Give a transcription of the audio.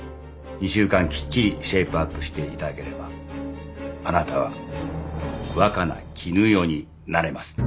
２週間きっちりシェイプアップしていただければあなたは若菜絹代になれます。